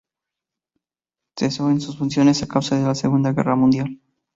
Cesó en sus funciones a causa de la Segunda Guerra Mundial.